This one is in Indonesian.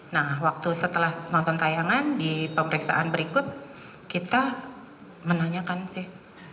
nah waktu setelah nonton tayangan di pemeriksaan berikut kita menanyakan sih